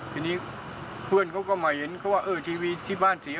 ทีนี้เพื่อนเขาก็มาเห็นเขาว่าเออทีวีที่บ้านเสีย